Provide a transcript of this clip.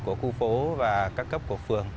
của khu phố và các cấp của phường